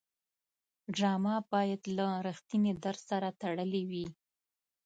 ډرامه باید له رښتینې درد سره تړلې وي